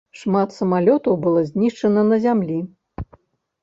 Шмат самалётаў было знішчана на зямлі.